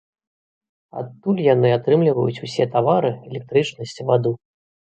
Адтуль яны атрымліваюць усе тавары, электрычнасць, ваду.